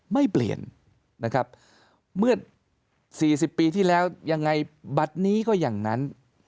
ไม่เปลี่ยนนะครับเมื่อ๔๐ปีที่แล้วยังไงบัตรนี้ก็อย่างนั้น